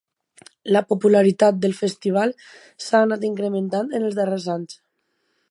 La popularitat del festival s’ha anat incrementat en els darrers anys.